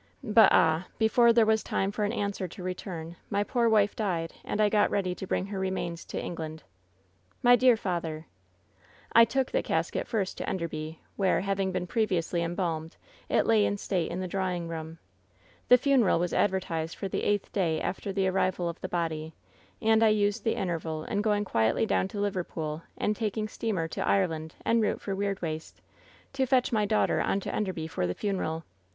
But, ah ! before there was time for an answer to return my poor wife died, and I got ready to bring her remains to England/ " 'My dear father !'" 'I took the casket first to Enderby, where, having been previously embalmed, it lay in state in the drawing room. The funeral was advertised for the eighth day after the arrival of the body, and I used the interval in going quietly down to Liverpool and taking steamer to Ireland en route for Weirdwaste, to fetch my daughter on to Enderby for the funeral.